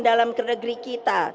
dalam negeri kita